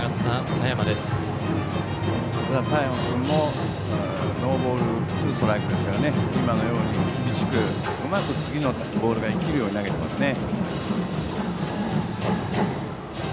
佐山君もワンボールツーストライクですから今のように厳しくうまく次のボールが生きるように投げていますね。